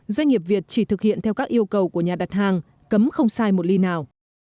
doanh nghiệp việt chỉ thực hiện theo các yêu cầu của nhà đặt hàng cấm không sai một ly nào